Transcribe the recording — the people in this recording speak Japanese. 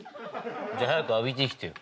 じゃ早く浴びてきてよ。